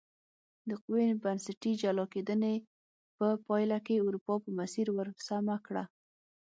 د قوي بنسټي جلا کېدنې په پایله کې اروپا په مسیر ور سمه کړه.